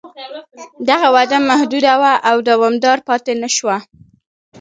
دغه وده محدوده وه او دوامداره پاتې نه شوه